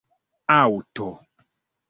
aŭto